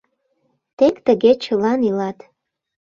Тек тыге чылан илат.